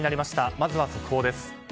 まずは速報です。